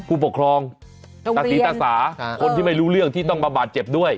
ผู้ปกครองตะศรีตาสาคนที่ไม่รู้เรื่องที่ต้องมาบาดเจ็บด้วย